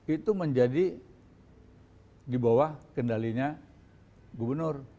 itu menjadi di bawah kendalinya gubernur